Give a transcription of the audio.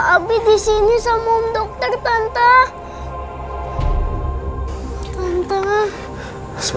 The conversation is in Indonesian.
abi disini sama om dokter tante